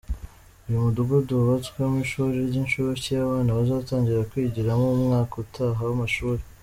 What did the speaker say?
Uyu mudugudu wubatswemo ishuri ry’inshuke abana bazatangira kwigiramo mu mwaka utaha w’amashuri.